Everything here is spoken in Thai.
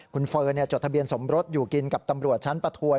คุณเฟิร์นจดทะเบียนสมรสอยู่กินกับตำรวจชั้นประทวน